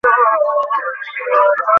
ফুটো জীবনের ঘটে ঢালবে সুধা!